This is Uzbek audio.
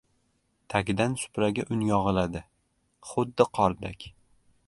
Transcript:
Tagidan supraga un yog‘iladi. Xuddi qordek.